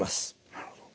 なるほど。